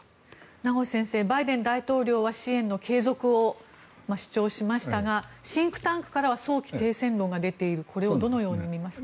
名越先生バイデン大統領は支援の継続を主張しましたがシンクタンクからは早期停戦論が出ているこれをどのように見ますか。